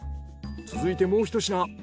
続いてもう１品。